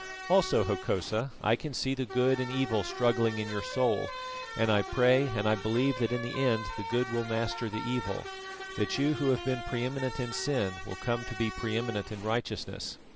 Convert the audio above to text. "Also, Hokosa, I can see the good and evil struggling in your soul, and I pray and I believe that in the end the good will master the evil; that you who have been pre eminent in sin will come to be pre eminent in righteousness.